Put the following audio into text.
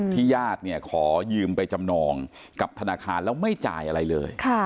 ญาติเนี่ยขอยืมไปจำนองกับธนาคารแล้วไม่จ่ายอะไรเลย